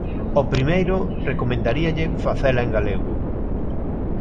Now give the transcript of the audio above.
O primeiro, recomendaríalle facela en galego.